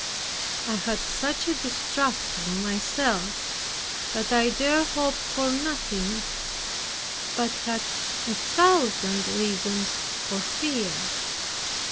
I had such a distrust of myself, that I dared hope for nothing, but had a thousand reasons for fear.